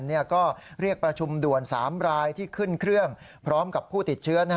ก็เรียกประชุมด่วน๓รายที่ขึ้นเครื่องพร้อมกับผู้ติดเชื้อ